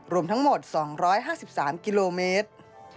รวมทั้งหมด๒๕๓กิโลเมตร